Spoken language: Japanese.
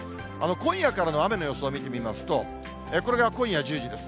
今夜からの雨の予想を見てみますと、これが今夜１０時です。